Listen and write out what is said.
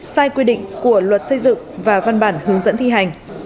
sai quy định của luật xây dựng và văn bản hướng dẫn thi hành